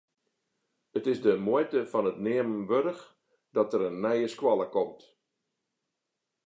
It is de muoite fan it neamen wurdich dat der in nije skoalle komt.